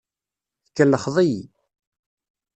Tkellxeḍ-iyi.